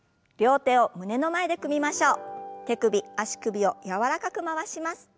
手首足首を柔らかく回します。